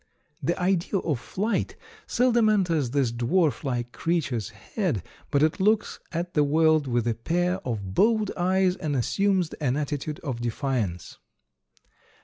"The idea of flight seldom enters this dwarf like creature's head, but it looks at the world with a pair of bold eyes and assumes an attitude of defiance."